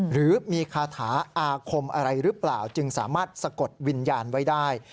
หรือมีคาถาอาคมอะไรหรือเปล่าจึงสามารถสะกดวิญญาณไว้ได้